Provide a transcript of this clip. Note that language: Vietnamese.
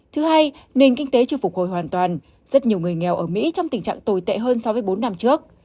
thứ hai nền kinh tế chưa phục hồi hoàn toàn rất nhiều người nghèo ở mỹ trong tình trạng tồi tệ hơn so với bốn năm trước